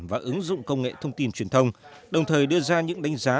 và ứng dụng công nghệ thông tin truyền thông đồng thời đưa ra những đánh giá